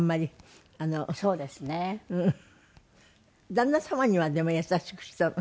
旦那様にはでも優しくしたの？